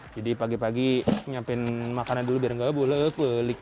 jadi pagi pagi nyapin makannya dulu biar nggak bolek bolek